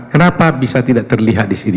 kenapa bisa tidak terlihat di sini